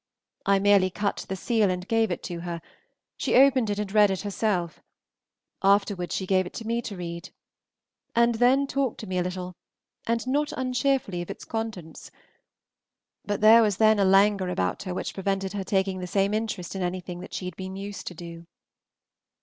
I merely cut the seal and gave it to her; she opened it and read it herself, afterwards she gave it to me to read, and then talked to me a little and not uncheerfully of its contents, but there was then a languor about her which prevented her taking the same interest in anything she had been used to do.